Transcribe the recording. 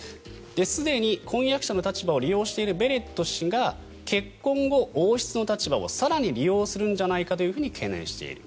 すでに婚約者の立場を利用しているベレット氏が結婚後、王室の立場を更に利用するんじゃないかと懸念している。